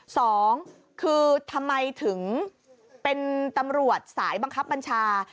สองคือทำไมถึงเป็นตำรวจสายบังคับบัญชา